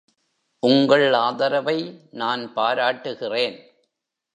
உங்கள் ஆதரவை நான் பாராட்டுகிறேன்.